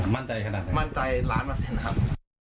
มั่นใจขนาดไหนมั่นใจล้านเปอร์เซ็นต์ครับ